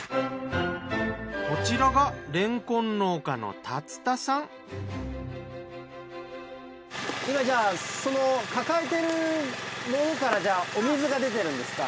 こちらがれんこん農家の今じゃあその抱えてるものからじゃあお水が出てるんですか？